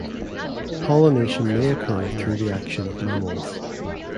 Pollination may occur through the action of mammals.